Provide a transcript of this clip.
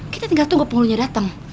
kita tinggal tunggu penghulunya datang